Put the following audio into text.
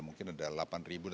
mungkin ada delapan ribu